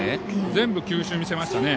全部球種を見せましたね。